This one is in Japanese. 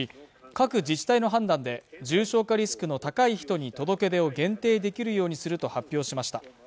各自治体の判断で重症化リスクの高い人に届け出を限定できるようにすると発表しました